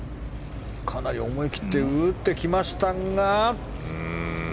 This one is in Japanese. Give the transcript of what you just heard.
かなり思い切って打ってきましたが。